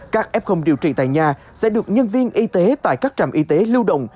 các f điều trị tại nhà sẽ được nhân viên y tế tại các trạm y tế lưu động